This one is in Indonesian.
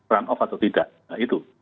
runoff atau tidak nah itu